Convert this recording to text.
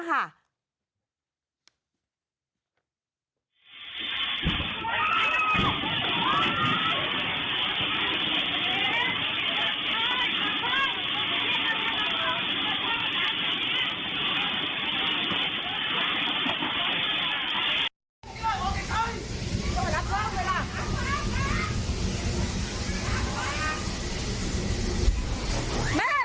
นักลวงเวลา